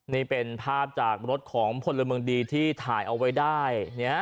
นี่เป็นภาพจากรถของพลเมืองดีที่ถ่ายเอาไว้ได้